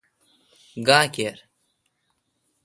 گاں کیر۔